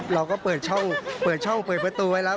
เราก็เปิดช่องเปิดช่องเปิดประตูไว้แล้ว